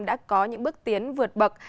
đã có những bước tiến vượt bậc